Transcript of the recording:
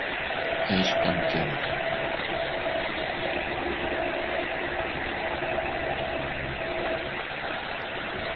No parece tener enemigos naturales.